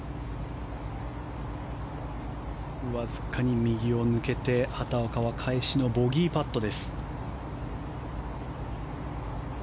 わずかに右を抜けて畑岡は返しのボギーパット。